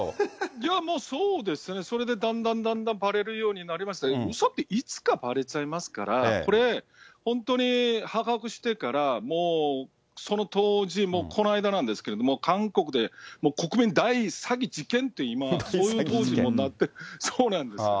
いやもうそうですね、それで、だんだんだんだんばれるようになりまして、うそって、いつかばれちゃいますから、これ、本当に発覚してから、もうその当時も、この間なんですけれども、韓国でもう国民大詐欺事件と、今、そういう報道になって、そうなんです。